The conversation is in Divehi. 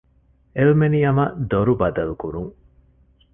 އެލްމެނިއަމަށް ދޮރު ބަދަލުކުރުން